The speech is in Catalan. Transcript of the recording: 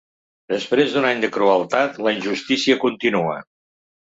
Després d’un any de crueltat, la injustícia continua.